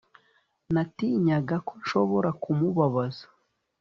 Natinyaga ko nshobora kumubabaza